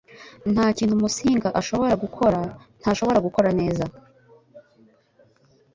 Nta kintu Musinga ashobora gukora ntashobora gukora neza